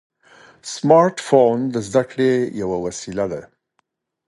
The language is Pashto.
سمارټ فون د زده کړې یوه وسیله ده.